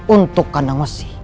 untuk kandang wesi